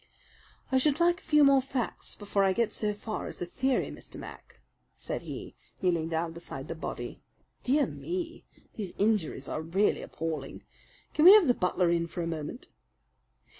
"I should like a few more facts before I get so far as a theory, Mr. Mac," said he, kneeling down beside the body. "Dear me! these injuries are really appalling. Can we have the butler in for a moment?...